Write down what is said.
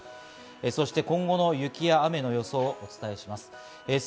そして今後の雪や雨の予想をお伝えします。